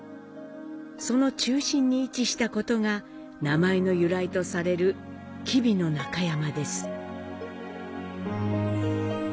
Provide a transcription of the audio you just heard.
その中心に位置したことが名前の由来とされる吉備の中山です。